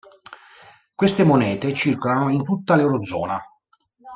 Queste monete circolano in tutta l'eurozona.